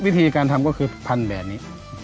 วิธีการทำก็คือพันแบบนี้